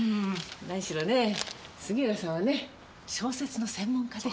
何しろねぇ杉浦さんはね小説の専門家ですから。